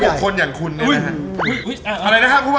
อะไรนะครับพูดมาเนี่ยเป็นอะไร